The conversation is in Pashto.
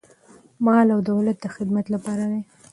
مال او دولت د خدمت لپاره دی.